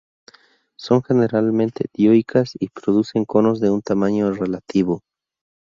Son generalmente dioicas y producen conos de un tamaño relativo.